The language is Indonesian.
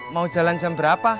mau jalan jam berapa